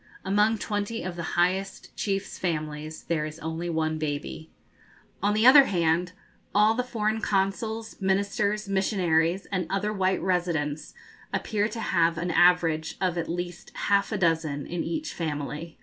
Among twenty of the highest chiefs' families there is only one baby. On the other hand, all the foreign consuls, ministers, missionaries, and other white residents, appear to have an average of at least half a dozen in each family.